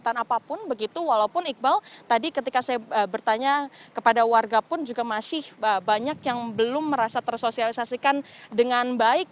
kegiatan apapun begitu walaupun iqbal tadi ketika saya bertanya kepada warga pun juga masih banyak yang belum merasa tersosialisasikan dengan baik